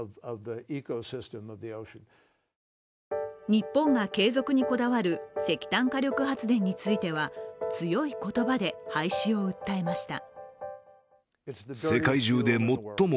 日本が継続にこだわる石炭火力発電については強い言葉で廃止を訴えました。